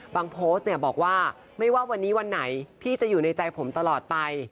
โพสต์เนี่ยบอกว่าไม่ว่าวันนี้วันไหนพี่จะอยู่ในใจผมตลอดไป